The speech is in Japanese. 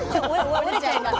折れちゃいます。